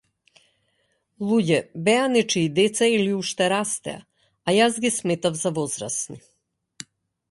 Луѓе беа нечии деца или уште растеа, а јас ги сметав за возрасни.